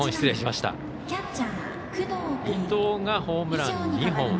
ホームラン５本。